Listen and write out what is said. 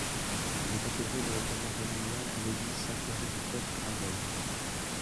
Il est enterré dans le tombeau familial à l’église Sainte-Marie-du-Peuple à Rome.